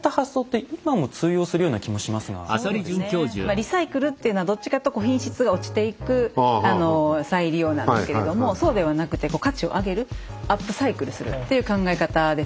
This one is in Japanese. リサイクルっていうのはどっちかというと品質が落ちていく再利用なんですけれどもそうではなくても価値を上げるアップサイクルするっていう考え方ですよね。